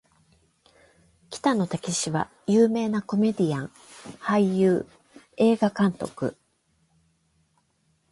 北野武は有名なコメディアン・俳優・映画監督